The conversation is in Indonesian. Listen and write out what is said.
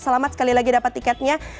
selamat sekali lagi dapat tiketnya